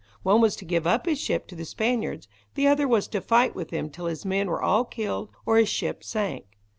One was to give up his ship to the Spaniards; the other was to fight with them till his men were all killed, or his ship sank.